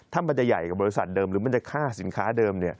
ถ้ามันจะใหญ่กว่าบริษัทเดิมหรือมันจะค่าสินค้าเดิม